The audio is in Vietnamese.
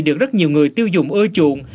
được rất nhiều người tiêu dụng ưa chuộng